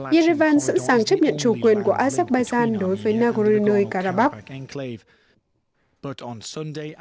iran sẵn sàng chấp nhận chủ quyền của azerbaijan đối với nagorno karabakh